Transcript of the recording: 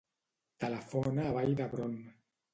Telefona a Vall d'Hebron.